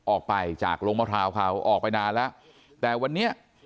ออกไปจากโรงมะพร้าวเขาออกไปนานแล้วแต่วันนี้